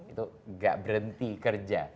itu gak berhenti kerja